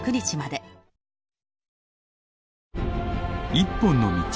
「一本の道」。